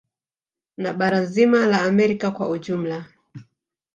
Na bara zima la Amerika kwa ujumla